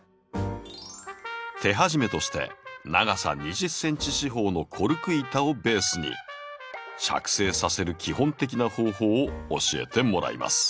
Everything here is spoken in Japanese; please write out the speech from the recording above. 手始めとして長さ２０ｃｍ四方のコルク板をベースに着生させる基本的な方法を教えてもらいます。